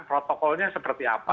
protokolnya seperti apa